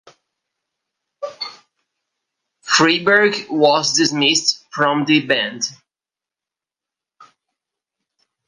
Freiberg was dismissed from the band.